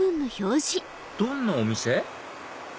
どんなお店？